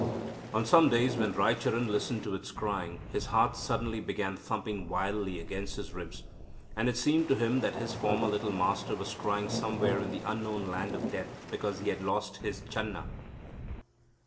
On some days, when Raicharan listened to its crying, his heart suddenly began thumping wildly against his ribs, and it seemed to him that his former little Master was crying somewhere in the unknown land of death because he had lost his Chan na.